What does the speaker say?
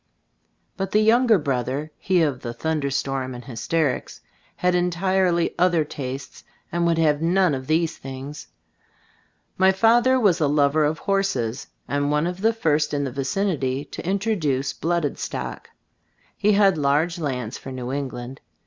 But the younger brother (he of the thunder storm and hysterics) had entirely other tastes, and would have none of these things. My father was a lover of horses, and one of the first in the vi cinity to introduce blooded stock. He had large lands, for New England.